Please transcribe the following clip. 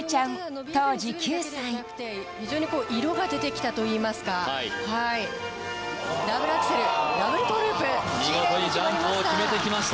非常にこう色が出てきたといいますかダブルアクセルダブルトウループきれいに決まりました